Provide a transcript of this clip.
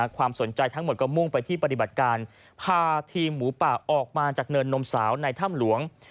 ความสนใจทั้งหมดก็มุ่งไปที่ปฏิบัติการพาทีมหมูป่าออกมาจากเนินนมสาวในถ้ำหลวง